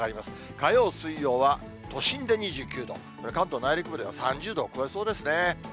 火曜、水曜は、都心で２９度、関東内陸部では３０度を超えそうですね。